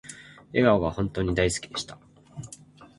笑顔が本当に大好きでした